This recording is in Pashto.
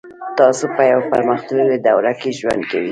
تاسو په یوه پرمختللې دوره کې ژوند کوئ